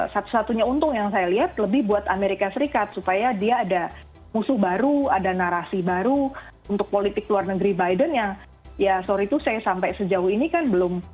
satu satunya untung yang saya lihat lebih buat amerika serikat supaya dia ada musuh baru ada narasi baru untuk politik luar negeri biden yang ya sorry to say sampai sejauh ini kan belum